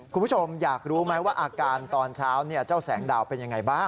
คุณผู้ชมอยากรู้ไหมว่าอาการตอนเช้าเจ้าแสงดาวเป็นยังไงบ้าง